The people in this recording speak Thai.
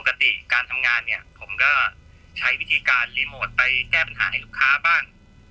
การทำงานเนี่ยผมก็ใช้วิธีการรีโมทไปแก้ปัญหาให้ลูกค้าบ้าง